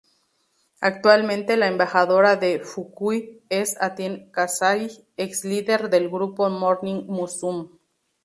Actualmente, la embajadora de Fukui es Ai Takahashi ex-líder del grupo Morning Musume